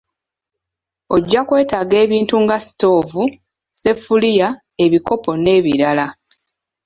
Ojja kwetaaga ebintu nga sitoovu, seffuluya, ebikopo n'ebirala.